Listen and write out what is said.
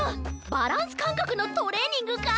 バランスかんかくのトレーニングか！